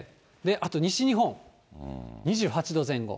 あと西日本、２８度前後。